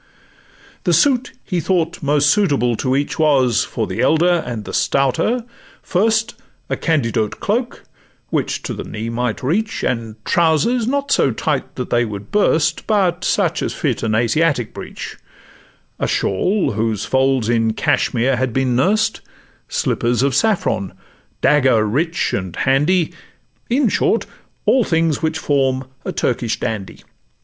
The suit he thought most suitable to each Was, for the elder and the stouter, first A Candiote cloak, which to the knee might reach, And trousers not so tight that they would burst, But such as fit an Asiatic breech; A shawl, whose folds in Cashmire had been nurst, Slippers of saffron, dagger rich and handy; In short, all things which form a Turkish Dandy.